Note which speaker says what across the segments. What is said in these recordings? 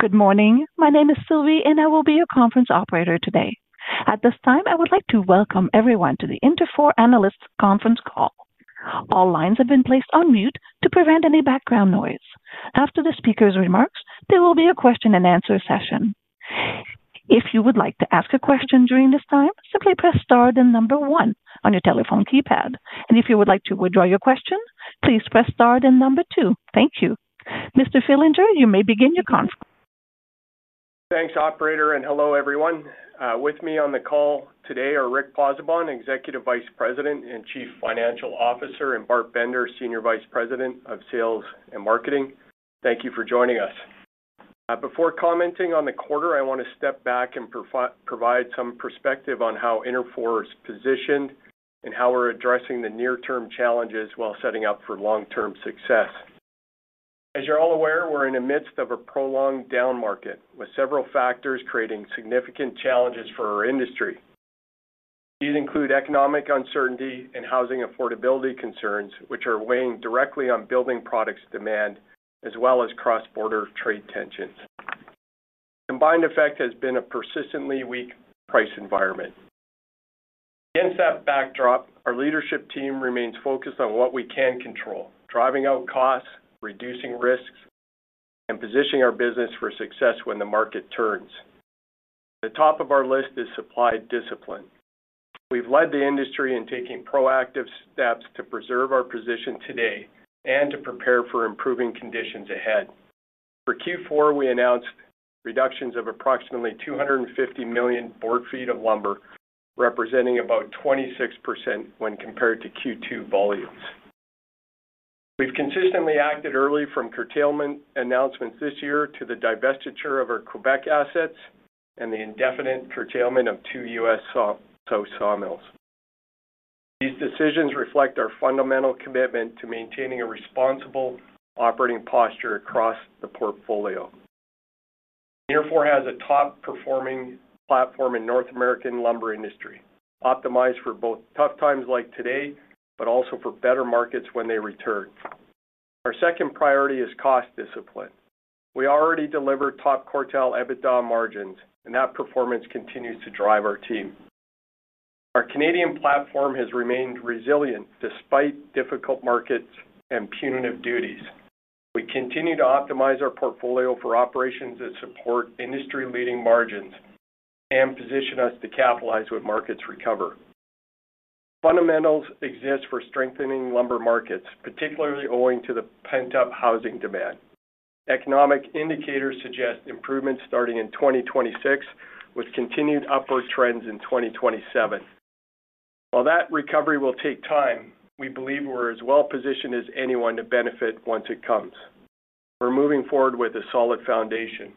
Speaker 1: Good morning. My name is Sylvie, and I will be your conference operator today. At this time, I would like to welcome everyone to the Interfor Analysts conference call. All lines have been placed on mute to prevent any background noise. After the speaker's remarks, there will be a question-and-answer session. If you would like to ask a question during this time, simply press star then number one on your telephone keypad. If you would like to withdraw your question, please press star then number two. Thank you. Mr. Fillinger, you may begin your conference.
Speaker 2: Thanks, Operator. Hello, everyone. With me on the call today are Rick Pozzebon, Executive Vice President and Chief Financial Officer, and Bart Bender, Senior Vice President of Sales and Marketing. Thank you for joining us. Before commenting on the quarter, I want to step back and provide some perspective on how Interfor is positioned and how we're addressing the near-term challenges while setting up for long-term success. As you're all aware, we're in the midst of a prolonged down market, with several factors creating significant challenges for our industry. These include economic uncertainty and housing affordability concerns, which are weighing directly on building products' demand, as well as cross-border trade tensions. The combined effect has been a persistently weak price environment. Against that backdrop, our leadership team remains focused on what we can control, driving out costs, reducing risks, and positioning our business for success when the market turns. At the top of our list is supply discipline. We've led the industry in taking proactive steps to preserve our position today and to prepare for improving conditions ahead. For Q4, we announced reductions of approximately 250 million board feet of lumber, representing about 26% when compared to Q2 volumes. We've consistently acted early from curtailment announcements this year to the divestiture of our Quebec assets and the indefinite curtailment of two US sawmills. These decisions reflect our fundamental commitment to maintaining a responsible operating posture across the portfolio. Interfor has a top-performing platform in the North American lumber industry, optimized for both tough times like today but also for better markets when they return. Our second priority is cost discipline. We already deliver top quartile EBITDA margins, and that performance continues to drive our team. Our Canadian platform has remained resilient despite difficult markets and punitive duties. We continue to optimize our portfolio for operations that support industry-leading margins and position us to capitalize when markets recover. Fundamentals exist for strengthening lumber markets, particularly owing to the pent-up housing demand. Economic indicators suggest improvements starting in 2026, with continued upward trends in 2027. While that recovery will take time, we believe we're as well-positioned as anyone to benefit once it comes. We're moving forward with a solid foundation.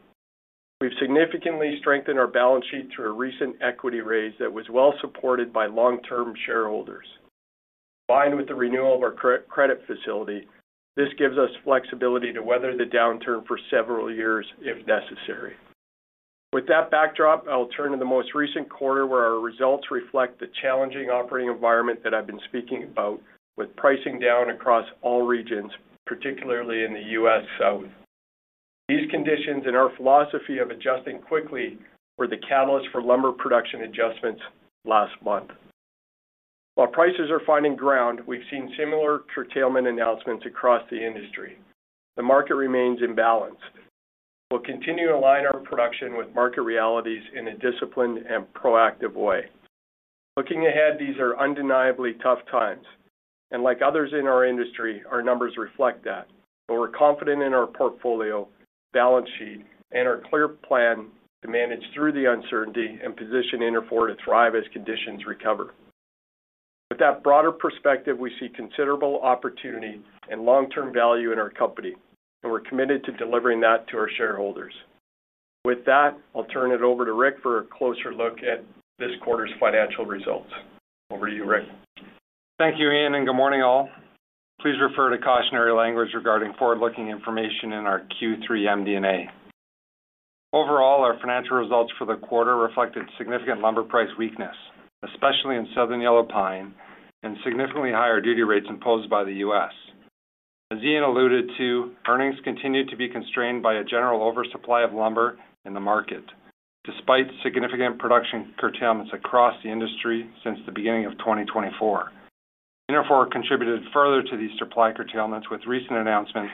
Speaker 2: We've significantly strengthened our balance sheet through a recent equity raise that was well-supported by long-term shareholders. Combined with the renewal of our current credit facility, this gives us flexibility to weather the downturn for several years if necessary. With that backdrop, I'll turn to the most recent quarter, where our results reflect the challenging operating environment that I've been speaking about, with pricing down across all regions, particularly in the US South. These conditions and our philosophy of adjusting quickly were the catalyst for lumber production adjustments last month. While prices are finding ground, we've seen similar curtailment announcements across the industry. The market remains in balance. We'll continue to align our production with market realities in a disciplined and proactive way. Looking ahead, these are undeniably tough times. Like others in our industry, our numbers reflect that. We're confident in our portfolio, balance sheet, and our clear plan to manage through the uncertainty and position Interfor to thrive as conditions recover. With that broader perspective, we see considerable opportunity and long-term value in our company, and we're committed to delivering that to our shareholders. With that, I'll turn it over to Rick for a closer look at this quarter's financial results. Over to you, Rick.
Speaker 3: Thank you, Ian, and good morning, all. Please refer to cautionary language regarding forward-looking information in our Q3 MD&A. Overall, our financial results for the quarter reflected significant lumber price weakness, especially in Southern Yellow Pine, and significantly higher duty rates imposed by the U.S. As Ian alluded to, earnings continue to be constrained by a general oversupply of lumber in the market, despite significant production curtailments across the industry since the beginning of 2024. Interfor contributed further to these supply curtailments with recent announcements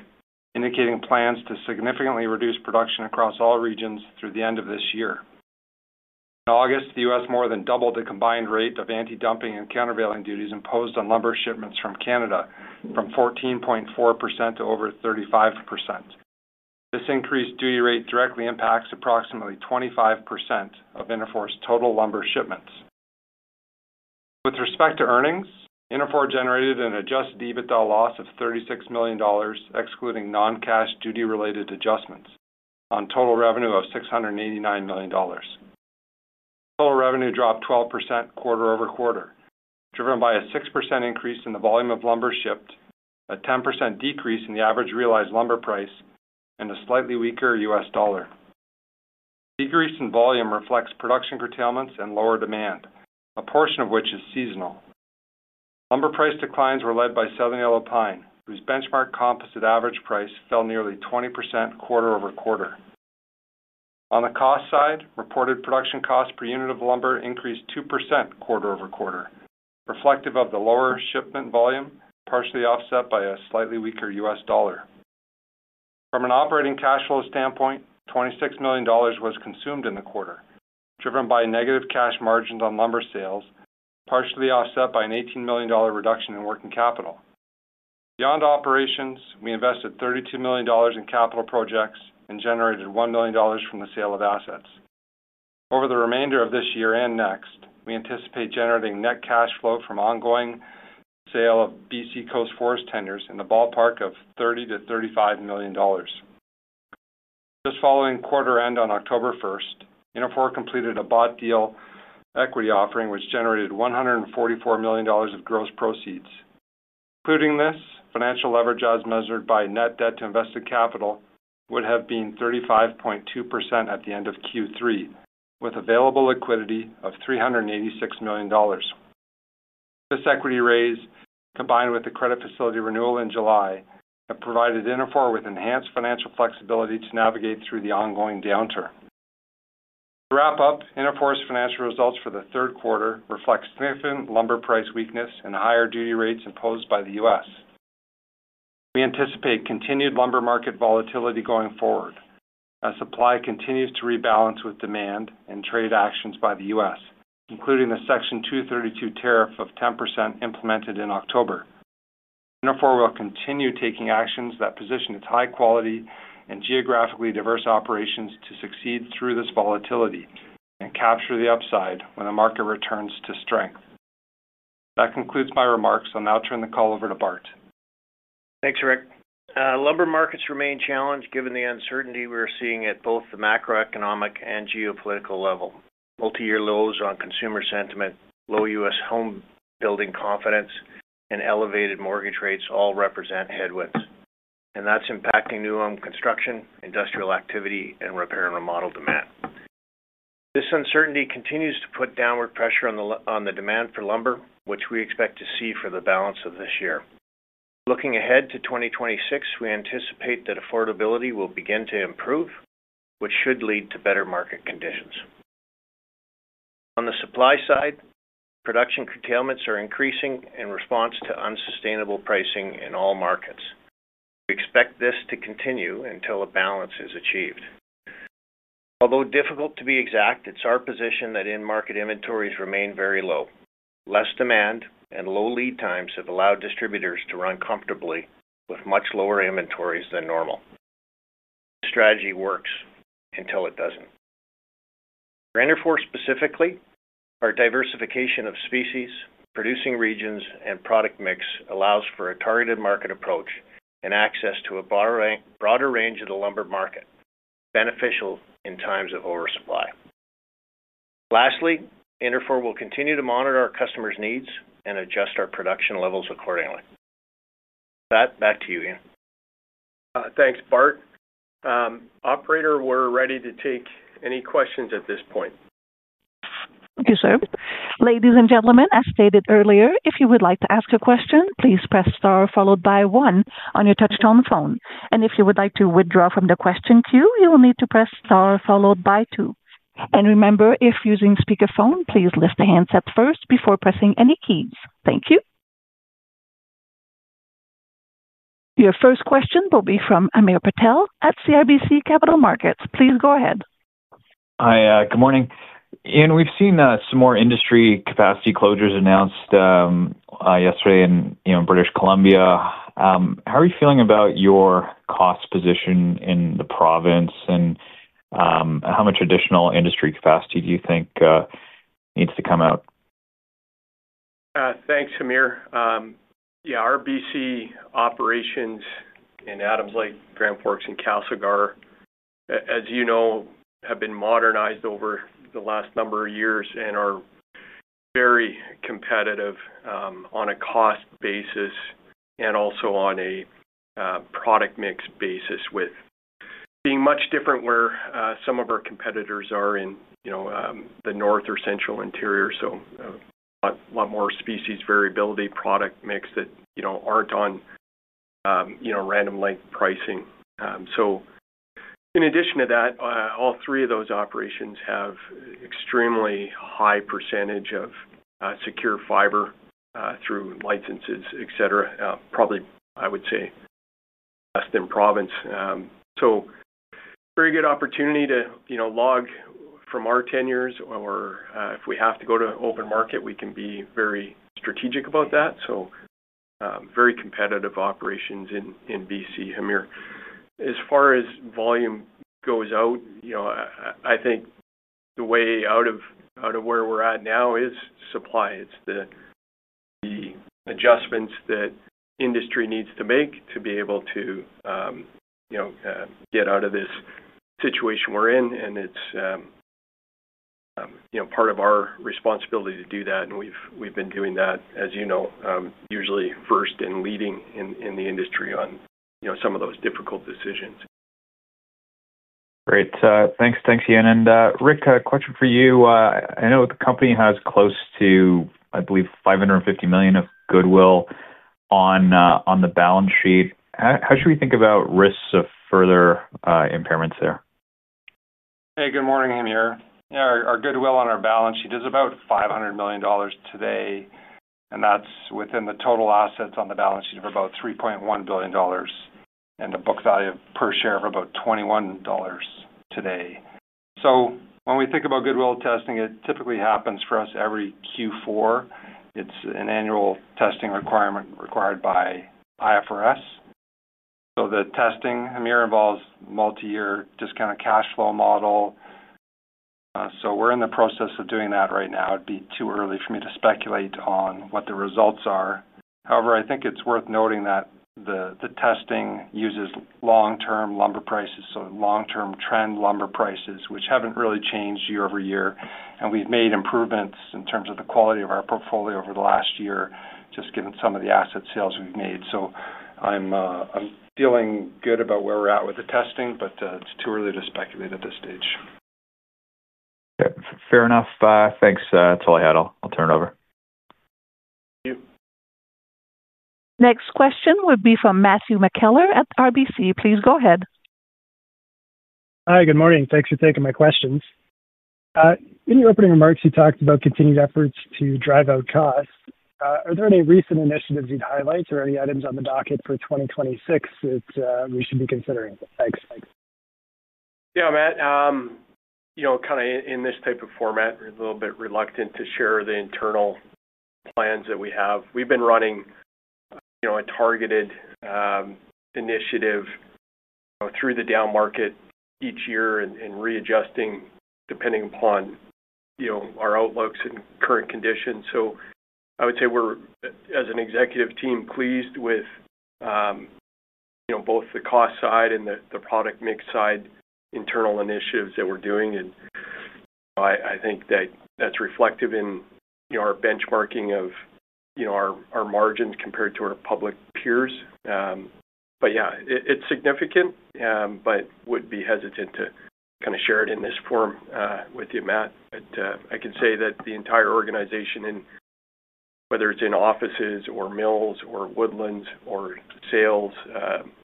Speaker 3: indicating plans to significantly reduce production across all regions through the end of this year. In August, the U.S. more than doubled the combined rate of anti-dumping and countervailing duties imposed on lumber shipments from Canada, from 14.4% to over 35%. This increased duty rate directly impacts approximately 25% of Interfor's total lumber shipments. With respect to earnings, Interfor generated an adjusted EBITDA loss of $36 million, excluding non-cash duty-related adjustments, on total revenue of $689 million. Total revenue dropped 12% quarter over quarter, driven by a 6% increase in the volume of lumber shipped, a 10% decrease in the average realized lumber price, and a slightly weaker US dollar. The decrease in volume reflects production curtailments and lower demand, a portion of which is seasonal. Lumber price declines were led by Southern Yellow Pine, whose benchmark composite average price fell nearly 20% quarter over quarter. On the cost side, reported production costs per unit of lumber increased 2% quarter over quarter, reflective of the lower shipment volume, partially offset by a slightly weaker US dollar. From an operating cash flow standpoint, $26 million was consumed in the quarter, driven by negative cash margins on lumber sales, partially offset by an $18 million reduction in working capital. Beyond operations, we invested $32 million in capital projects and generated $1 million from the sale of assets. Over the remainder of this year and next, we anticipate generating net cash flow from ongoing sale of BC Coast Forest tenders in the ballpark of $30-$35 million. Just following quarter end on October 1, Interfor completed a bought deal equity offering, which generated $144 million of gross proceeds. Including this, financial leverage as measured by net debt to invested capital would have been 35.2% at the end of Q3, with available liquidity of $386 million. This equity raise, combined with the credit facility renewal in July, has provided Interfor with enhanced financial flexibility to navigate through the ongoing downturn. To wrap up, Interfor's financial results for the third quarter reflect significant lumber price weakness and higher duty rates imposed by the U.S. We anticipate continued lumber market volatility going forward as supply continues to rebalance with demand and trade actions by the U.S., including the Section 232 tariff of 10% implemented in October. Interfor will continue taking actions that position its high-quality and geographically diverse operations to succeed through this volatility and capture the upside when the market returns to strength. That concludes my remarks. I'll now turn the call over to Bart.
Speaker 4: Thanks, Rick. Lumber markets remain challenged given the uncertainty we're seeing at both the macroeconomic and geopolitical level. Multi-year lows on consumer sentiment, low U.S. home building confidence, and elevated mortgage rates all represent headwinds. That's impacting new home construction, industrial activity, and repair and remodel demand. This uncertainty continues to put downward pressure on the demand for lumber, which we expect to see for the balance of this year. Looking ahead to 2026, we anticipate that affordability will begin to improve, which should lead to better market conditions. On the supply side, production curtailments are increasing in response to unsustainable pricing in all markets. We expect this to continue until a balance is achieved. Although difficult to be exact, it's our position that in-market inventories remain very low. Less demand and low lead times have allowed distributors to run comfortably with much lower inventories than normal. This strategy works until it doesn't. For Interfor specifically, our diversification of species, producing regions, and product mix allows for a targeted market approach and access to a broader range of the lumber market, beneficial in times of oversupply. Lastly, Interfor will continue to monitor our customers' needs and adjust our production levels accordingly. With that, back to you, Ian.
Speaker 2: Thanks, Bart. Operator, we're ready to take any questions at this point.
Speaker 1: Thank you, sir. Ladies and gentlemen, as stated earlier, if you would like to ask a question, please press star followed by one on your touch-tone phone. If you would like to withdraw from the question queue, you will need to press star followed by two. Remember, if using speakerphone, please lift the handset first before pressing any keys. Thank you. Your first question will be from Amir Patel at RBC Capital Markets. Please go ahead.
Speaker 5: Hi, good morning. Ian, we've seen some more industry capacity closures announced yesterday in British Columbia. How are you feeling about your cost position in the province, and how much additional industry capacity do you think needs to come out?
Speaker 2: Thanks, Amir. Yeah, our BC operations in Adams Lake, Grand Forks, and Castlegar, as you know, have been modernized over the last number of years and are very competitive on a cost basis and also on a product mix basis, with being much different where some of our competitors are in the north or central interior. A lot more species variability, product mix that aren't on random length pricing. In addition to that, all three of those operations have an extremely high percentage of secure fiber through licenses, etc., probably, I would say, less than province. Very good opportunity to log from our tenures, or if we have to go to open market, we can be very strategic about that. Very competitive operations in BC, Amir. As far as volume goes out, I think the way out of where we're at now is supply. It's the adjustments that industry needs to make to be able to get out of this situation we're in. It's part of our responsibility to do that. We've been doing that, as you know, usually first and leading in the industry on some of those difficult decisions.
Speaker 5: Great. Thanks, Ian. Rick, a question for you. I know the company has close to, I believe, $550 million of goodwill on the balance sheet. How should we think about risks of further impairments there?
Speaker 4: Hey, good morning, Amir. Yeah, our goodwill on our balance sheet is about $500 million today. That is within the total assets on the balance sheet of about $3.1 billion and a book value per share of about $21 today. When we think about goodwill testing, it typically happens for us every Q4. It is an annual testing requirement required by IFRS. The testing, Amir, involves a multi-year discounted cash flow model. We are in the process of doing that right now. It would be too early for me to speculate on what the results are. However, I think it is worth noting that the testing uses long-term lumber prices, long-term trend lumber prices, which have not really changed year over year. We have made improvements in terms of the quality of our portfolio over the last year, just given some of the asset sales we have made. I'm feeling good about where we're at with the testing, but it's too early to speculate at this stage.
Speaker 5: Fair enough. Thanks, Tully Haddell. I'll turn it over.
Speaker 2: Thank you.
Speaker 1: Next question would be from Matthew McKellar at RBC. Please go ahead.
Speaker 6: Hi, good morning. Thanks for taking my questions. In your opening remarks, you talked about continued efforts to drive out costs. Are there any recent initiatives you'd highlight or any items on the docket for 2026 that we should be considering? Thanks.
Speaker 2: Yeah, Matt, kind of in this type of format, we're a little bit reluctant to share the internal plans that we have. We've been running a targeted initiative through the down market each year and readjusting depending upon our outlooks and current conditions. I would say we're, as an executive team, pleased with both the cost side and the product mix side internal initiatives that we're doing. I think that that's reflective in our benchmarking of our margins compared to our public peers. Yeah, it's significant, but would be hesitant to kind of share it in this form with you, Matt. I can say that the entire organization, whether it's in offices or mills or woodlands or sales,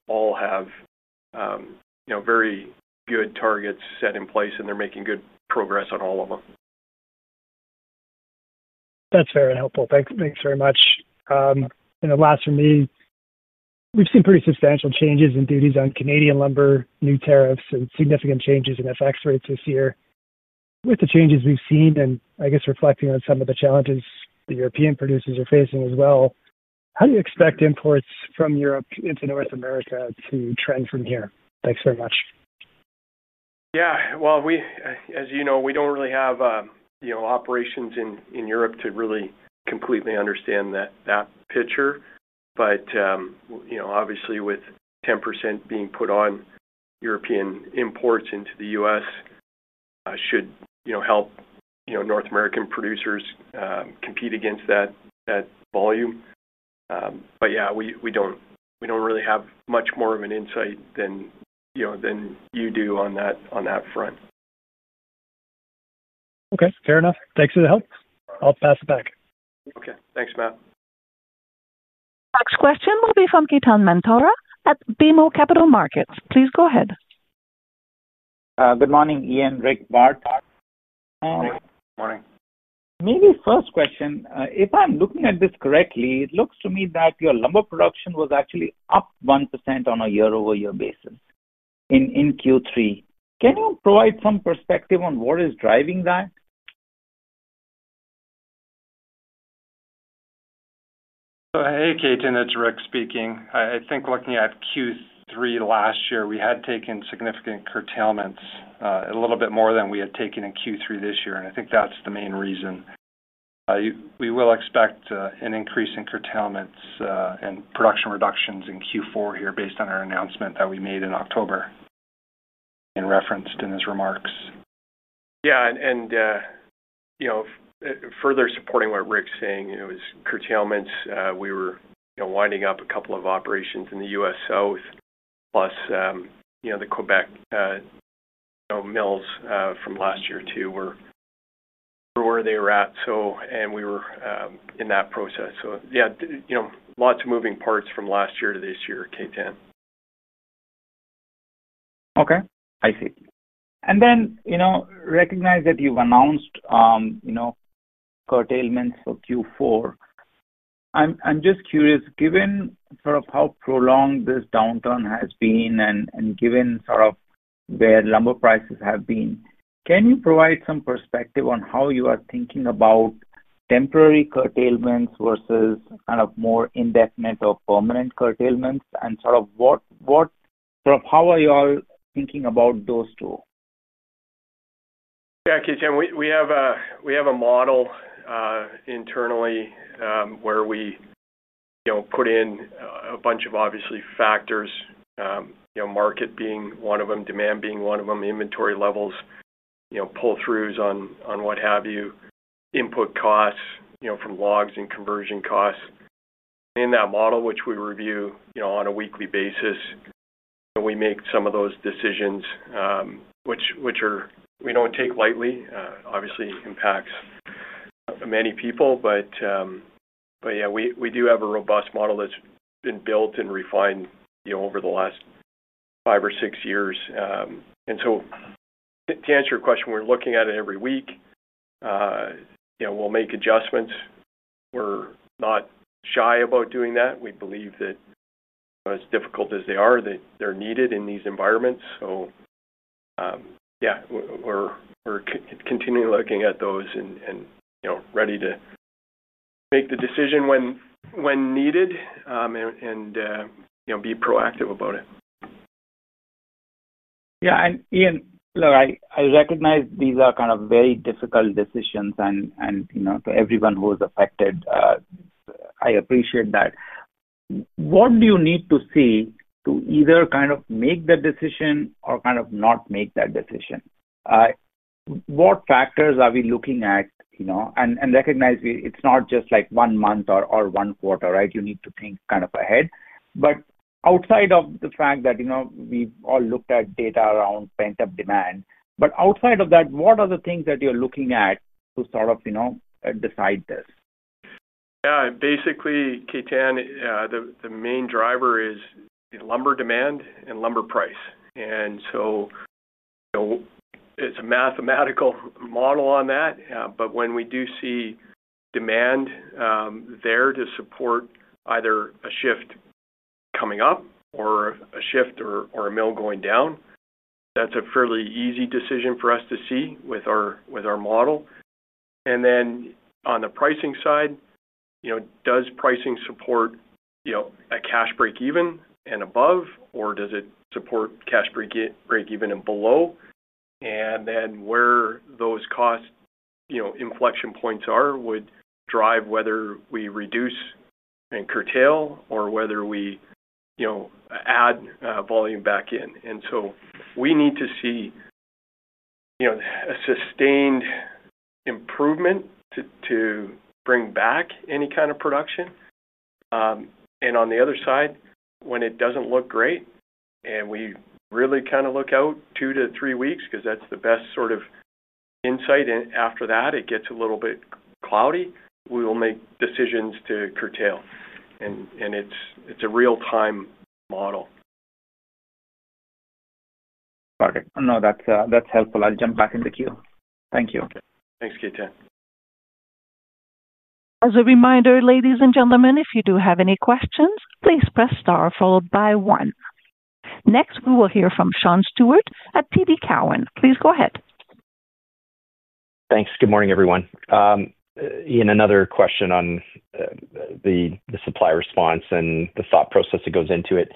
Speaker 2: all have very good targets set in place, and they're making good progress on all of them.
Speaker 6: That's very helpful. Thanks very much. The last from me, we've seen pretty substantial changes in duties on Canadian lumber, new tariffs, and significant changes in FX rates this year. With the changes we've seen and, I guess, reflecting on some of the challenges the European producers are facing as well, how do you expect imports from Europe into North America to trend from here? Thanks very much.
Speaker 2: Yeah. As you know, we do not really have operations in Europe to really completely understand that picture. Obviously, with 10% being put on European imports into the US, it should help North American producers compete against that volume. Yeah, we do not really have much more of an insight than you do on that front.
Speaker 6: Okay. Fair enough. Thanks for the help. I'll pass it back.
Speaker 2: Okay. Thanks, Matt.
Speaker 1: Next question will be from Keaton Mamtora at BMO Capital Markets. Please go ahead.
Speaker 7: Good morning, Ian, Rick, Bart.
Speaker 4: Good morning.
Speaker 7: Maybe first question, if I'm looking at this correctly, it looks to me that your lumber production was actually up 1% on a year-over-year basis in Q3. Can you provide some perspective on what is driving that?
Speaker 4: Hey, Keaton. It's Rick speaking. I think looking at Q3 last year, we had taken significant curtailments, a little bit more than we had taken in Q3 this year. I think that's the main reason. We will expect an increase in curtailments and production reductions in Q4 here based on our announcement that we made in October and referenced in his remarks.
Speaker 2: Yeah. Further supporting what Rick's saying, it was curtailments. We were winding up a couple of operations in the US South, plus the Quebec mills from last year too, where they were at. We were in that process. Yeah, lots of moving parts from last year to this year, Keaton.
Speaker 7: Okay. I see. I recognize that you've announced curtailments for Q4. I'm just curious, given sort of how prolonged this downturn has been and given sort of where lumber prices have been, can you provide some perspective on how you are thinking about temporary curtailments versus kind of more indefinite or permanent curtailments? How are you all thinking about those two?
Speaker 2: Yeah, Keaton. We have a model internally where we put in a bunch of, obviously, factors: market being one of them, demand being one of them, inventory levels, pull-throughs on what have you, input costs from logs and conversion costs. In that model, which we review on a weekly basis, we make some of those decisions, which we do not take lightly. Obviously, it impacts many people. Yeah, we do have a robust model that has been built and refined over the last five or six years. To answer your question, we are looking at it every week. We will make adjustments. We are not shy about doing that. We believe that, as difficult as they are, they are needed in these environments. Yeah, we are continually looking at those and ready to make the decision when needed and be proactive about it.
Speaker 7: Yeah. Ian, look, I recognize these are kind of very difficult decisions, and to everyone who is affected, I appreciate that. What do you need to see to either kind of make that decision or kind of not make that decision? What factors are we looking at? I recognize it's not just like one month or one quarter, right? You need to think kind of ahead. Outside of the fact that we've all looked at data around pent-up demand, outside of that, what are the things that you're looking at to sort of decide this?
Speaker 2: Yeah. Basically, Keaton, the main driver is lumber demand and lumber price. It is a mathematical model on that. When we do see demand there to support either a shift coming up or a shift or a mill going down, that is a fairly easy decision for us to see with our model. On the pricing side, does pricing support a cash break even and above, or does it support cash break even and below? Where those cost inflection points are would drive whether we reduce and curtail or whether we add volume back in. We need to see a sustained improvement to bring back any kind of production. On the other side, when it does not look great and we really kind of look out two to three weeks because that is the best sort of insight, and after that, it gets a little bit cloudy, we will make decisions to curtail. It is a real-time model.
Speaker 7: Got it. No, that's helpful. I'll jump back in the queue. Thank you.
Speaker 2: Thanks, Keaton.
Speaker 1: As a reminder, ladies and gentlemen, if you do have any questions, please press star followed by one. Next, we will hear from Sean Steuart at TD Cowen. Please go ahead.
Speaker 8: Thanks. Good morning, everyone. Ian, another question on the supply response and the thought process that goes into it.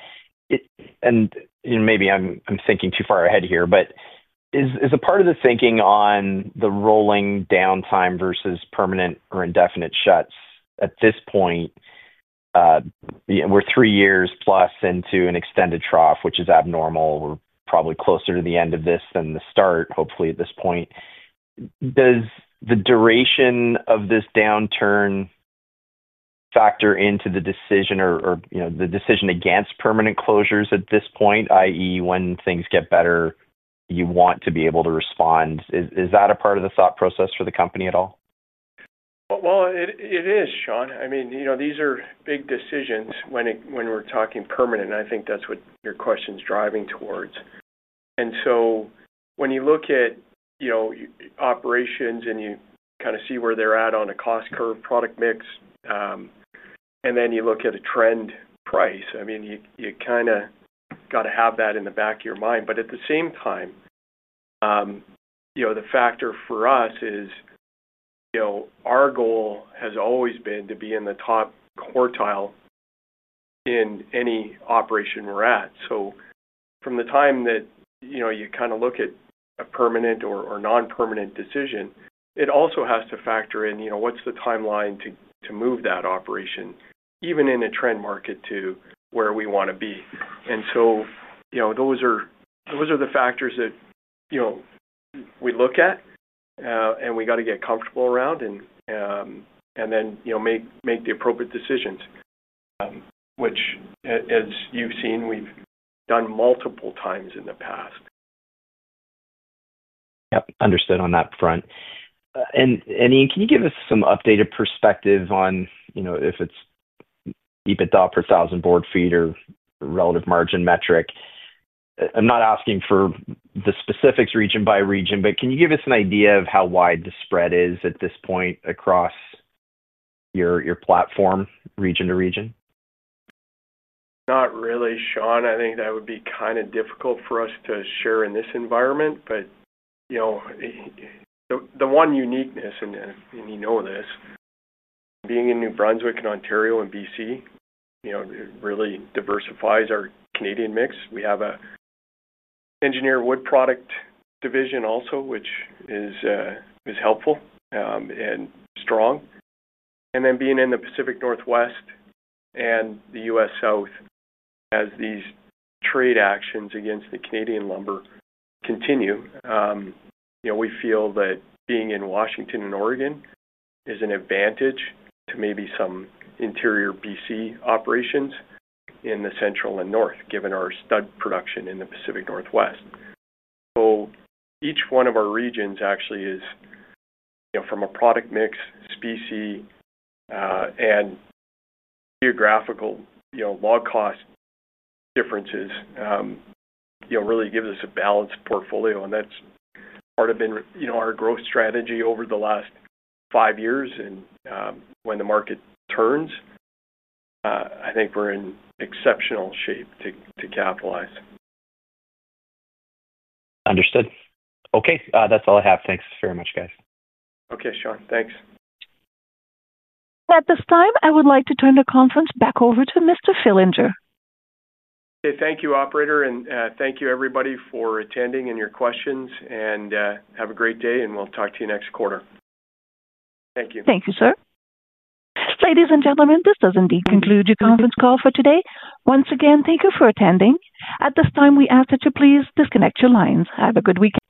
Speaker 8: Maybe I'm thinking too far ahead here, but as a part of the thinking on the rolling downtime versus permanent or indefinite shuts, at this point, we're three years plus into an extended trough, which is abnormal. We're probably closer to the end of this than the start, hopefully, at this point. Does the duration of this downturn factor into the decision or the decision against permanent closures at this point, i.e., when things get better, you want to be able to respond? Is that a part of the thought process for the company at all?
Speaker 4: It is, Sean. I mean, these are big decisions when we're talking permanent. I think that's what your question's driving towards. When you look at operations and you kind of see where they're at on a cost curve, product mix, and then you look at a trend price, I mean, you kind of got to have that in the back of your mind. At the same time, the factor for us is our goal has always been to be in the top quartile in any operation we're at. From the time that you kind of look at a permanent or non-permanent decision, it also has to factor in what's the timeline to move that operation, even in a trend market, to where we want to be. Those are the factors that we look at, and we got to get comfortable around and then make the appropriate decisions, which, as you've seen, we've done multiple times in the past.
Speaker 8: Yep. Understood on that front. Ian, can you give us some updated perspective on if it's EBITDA per 1,000 board feet or relative margin metric? I'm not asking for the specifics region by region, but can you give us an idea of how wide the spread is at this point across your platform, region to region?
Speaker 2: Not really, Sean. I think that would be kind of difficult for us to share in this environment. The one uniqueness, and you know this, being in New Brunswick and Ontario and British Columbia, it really diversifies our Canadian mix. We have an engineered wood products division also, which is helpful and strong. Being in the Pacific Northwest and the US South as these trade actions against the Canadian lumber continue, we feel that being in Washington and Oregon is an advantage to maybe some interior British Columbia operations in the Central and North, given our stud production in the Pacific Northwest. Each one of our regions actually is, from a product mix, species, and geographical log cost differences, really gives us a balanced portfolio. That is part of our growth strategy over the last five years. When the market turns, I think we're in exceptional shape to capitalize.
Speaker 8: Understood. Okay. That's all I have. Thanks very much, guys.
Speaker 2: Okay, Sean. Thanks.
Speaker 1: At this time, I would like to turn the conference back over to Mr. Fillinger.
Speaker 2: Okay. Thank you, Operator. Thank you, everybody, for attending and your questions. Have a great day, and we'll talk to you next quarter. Thank you.
Speaker 1: Thank you, sir. Ladies and gentlemen, this does indeed conclude your conference call for today. Once again, thank you for attending. At this time, we ask that you please disconnect your lines. Have a good week.